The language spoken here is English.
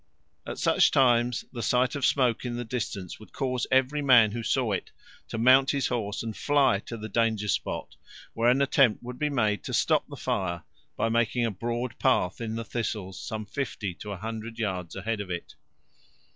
At such times the sight of smoke in the distance would cause every man who saw it to mount his horse and fly to the danger spot, where an attempt would be made to stop the fire by making a broad path in the thistles some fifty to a hundred yards ahead of it.